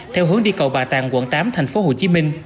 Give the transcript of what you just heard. theo hướng đi cầu bà tàng quận tám tp hcm